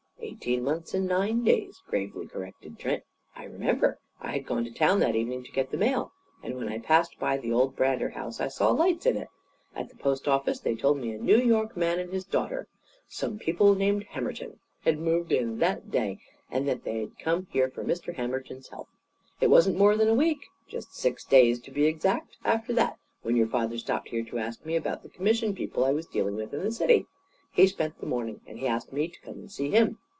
"Eighteen months and nine days," gravely corrected Trent. "I remember. I had gone to town that evening to get the mail. And when I passed by the old Brander house I saw lights in it. At the post office they told me a New York man and his daughter 'some people named Hammerton' had moved in, that day, and that they'd come here for Mr. Hammerton's health. It wasn't more than a week just six days, to be exact after that, when your father stopped here to ask me about the commission people I was dealing with in the city. He spent the morning, and he asked me to come and see him.